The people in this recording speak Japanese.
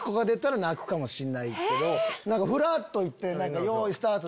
⁉ふらっと行ってよいスタート！